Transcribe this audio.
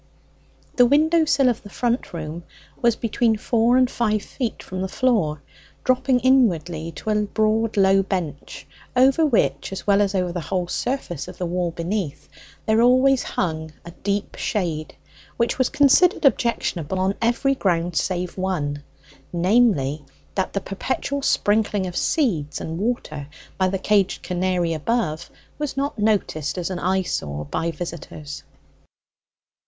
The window sill of the front room was between four and five feet from the floor, dropping inwardly to a broad low bench, over which, as well as over the whole surface of the wall beneath, there always hung a deep shade, which was considered objectionable on every ground save one, namely, that the perpetual sprinkling of seeds and water by the caged canary above was not noticed as an eyesore by visitors.